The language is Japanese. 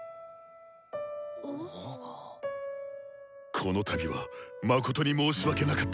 この度は誠に申し訳なかった。